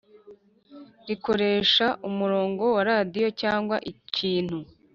rikoresha umurongo wa radiyo cyangwa ikintu